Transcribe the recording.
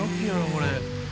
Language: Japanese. これ。